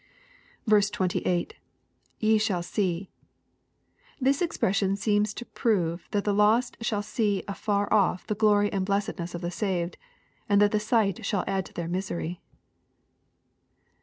28.— [ Te shall see,] This expression seems to prove that the lost shall see afar off the glory and blessedness of the saved, and that the sight shall add to their misery.